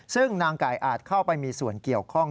ซึ่งนางไก่อาจเข้าไปมีส่วนเกี่ยวข้อง